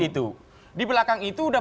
itu di belakang itu udah